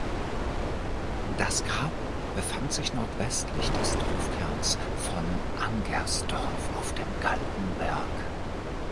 Das Grab befand sich nordwestlich des Dorfkerns von Angersdorf auf dem Galgenberg.